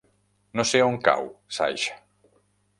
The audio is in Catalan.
No sé on cau Saix.